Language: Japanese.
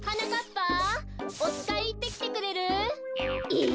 ぱおつかいいってきてくれる？え！？